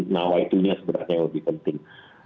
nawaitunya sebenarnya yang lebih penting